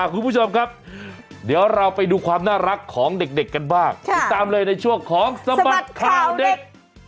คุณผู้ชมครับเดี๋ยวเราไปดูความน่ารักของเด็กกันบ้างติดตามเลยในช่วงของสบัดข่าวเด็ก